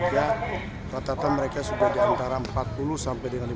ya rata rata mereka sudah di antara empat puluh sampai dengan lima puluh